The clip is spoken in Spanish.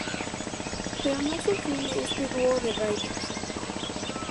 Pero no es el fin de este dúo de Riders.